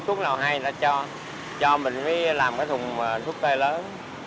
thuốc nào hay đã cho cho mình mới làm cái thùng thuốc tây lớn